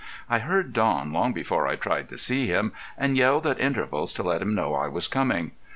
I heard Don long before I tried to see him, and yelled at intervals to let him know I was coming.